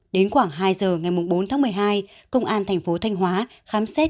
đến khoảng hai giờ ngày bốn tháng một mươi hai công an thành phố thanh hóa khám xét